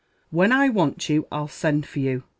when I want you, I'll send for you.